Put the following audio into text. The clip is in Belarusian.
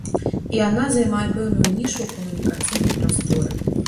І яна займае пэўную нішу ў камунікацыйнай прасторы.